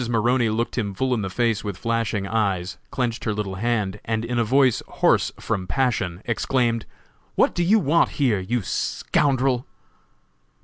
[Illustration: "_Mrs. Maroney looked him full in the face with flashing eyes, clenched her little hand, and in a voice hoarse from passion, exclaimed: 'What do you want here, you scoundrel?'